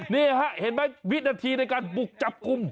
นี่ฮะเห็นไหมวินาทีในการบุกจับกลุ่ม